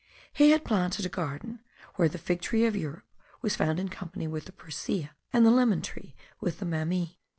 He had planted a garden, where the fig tree of Europe was found in company with the persea, and the lemon tree with the mammee.